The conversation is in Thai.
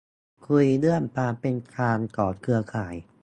คุยเรื่อง "ความเป็นกลางของเครือข่าย"